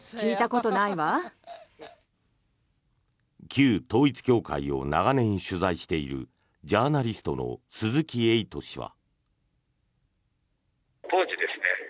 旧統一教会を長年取材しているジャーナリストの鈴木エイト氏は。